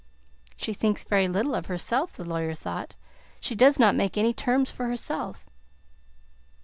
"She thinks very little of herself," the lawyer thought. "She does not make any terms for herself."